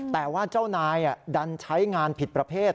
แต่ว่าเจ้านายดันใช้งานผิดประเภท